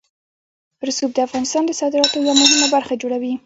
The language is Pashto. رسوب د افغانستان د صادراتو یوه مهمه برخه جوړوي.